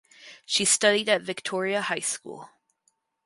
She studied at Victoria High School.